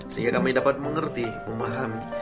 sehingga kami dapat mengerti memahami